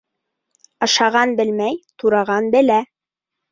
Ашаған белмәй, тураған белә.